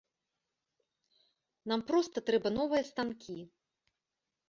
Нам проста трэба новыя станкі!